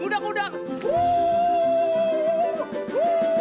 nggak gue mati dah